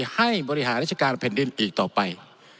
ให้บริหารราชการแผ่นดินอีกต่อไป